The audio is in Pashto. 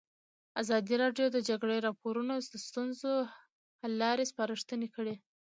ازادي راډیو د د جګړې راپورونه د ستونزو حل لارې سپارښتنې کړي.